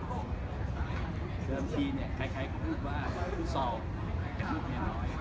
เดิมทีเนี่ยคล้ายก็พูดว่าฟุตซอลจะพูดเยอะน้อย